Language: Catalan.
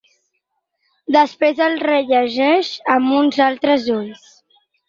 Després el rellegeix amb uns altres ulls.